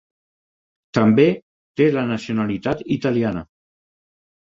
També té la nacionalitat italiana.